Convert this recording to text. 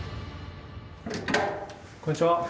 こんにちは。